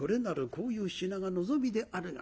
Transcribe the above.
こういう品が望みであるが」。